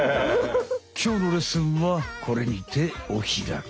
きょうのレッスンはこれにておひらき。